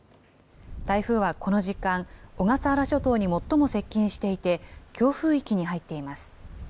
台風はこの時間、小笠原諸島に最も接近していて、強風域に入っています。